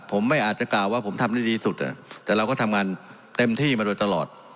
ผมไม่อาจจะกล่าวว่าผมทำได้ดีสุดแต่เราก็ทำงานเต็มที่มาโดยตลอด